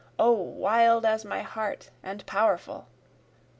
O wild as my heart, and powerful!)